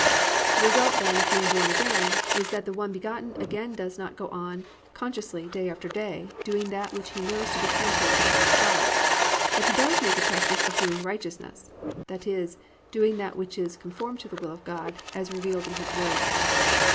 "+ _The result, then, of being born again is that the one begotten again does not go on consciously day after day doing that which he knows to be contrary to the will of God, but he does make a practice of "doing righteousness," i.e., doing that which is conformed to the will of God as revealed in His Word.